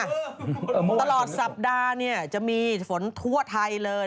ตลอดสัปดาห์เนี่ยจะมีฝนทั่วไทยเลย